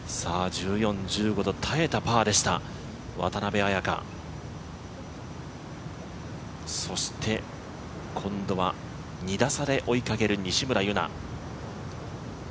１４、１５と耐えたパーでした、渡邉彩香、そして今度は２打差で追いかける西村優菜。